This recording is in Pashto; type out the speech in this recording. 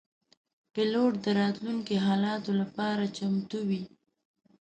پیلوټ د راتلونکو حالاتو لپاره چمتو وي.